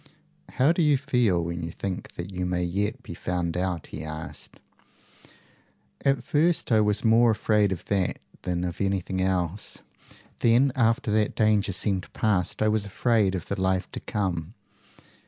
"How do you feel when you think that you may yet be found out?" he asked. "At first I was more afraid of that than of anything else. Then after that danger seemed past, I was afraid of the life to come.